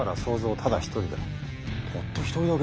たった一人だけ？